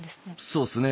そうっすね。